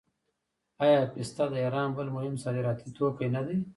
آیا پسته د ایران بل مهم صادراتي توکی نه دی؟